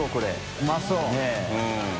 うまそう。